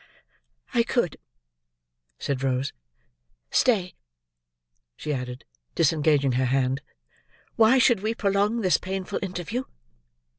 "I could," said Rose. "Stay!" she added, disengaging her hand, "why should we prolong this painful interview?